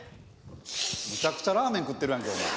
むちゃくちゃラーメン食ってるやんけお前。